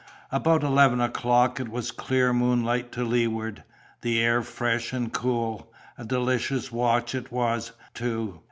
About eleven o'clock it was clear moonlight to leeward, the air fresh and cool: a delicious watch it was, too.